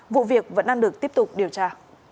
vụ việc vẫn đang được tiếp tục điều tra